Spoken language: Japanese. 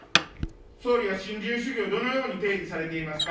総理は新自由主義をどのように定義されていますか。